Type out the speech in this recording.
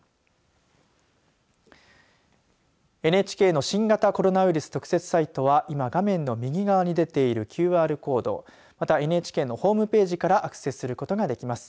ＮＨＫの新型コロナウイルス特設サイトは今画面の右側に出ているＱＲコードまたはＮＨＫのホームページからアクセスすることができます。